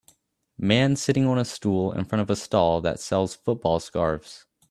Man sitting on a stool in front of a stall that sells football scarves